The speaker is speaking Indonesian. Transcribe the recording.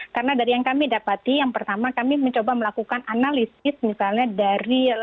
karena dari yang kami dapati yang pertama kami mencoba melakukan analisis misalnya dari lapangan